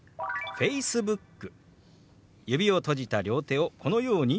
「Ｆａｃｅｂｏｏｋ」。